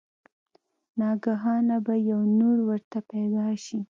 ناګهانه به يو نُور ورته پېدا شي